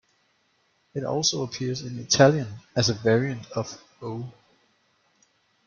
It also appears in Italian as a variant of "o".